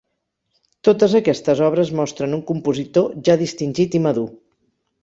Totes aquestes obres mostren un compositor ja distingit i madur.